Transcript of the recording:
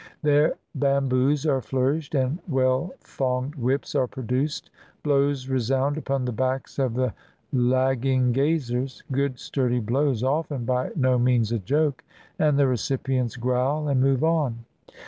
Their bamboos are flourished and well thonged whips are produced. Blows resound upon the backs of the lag ging gazers — good sturdy blows often, by no means a joke — and the recipients growl and move on.